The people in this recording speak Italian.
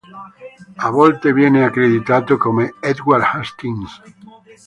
A volte viene accreditato come Edward Hastings.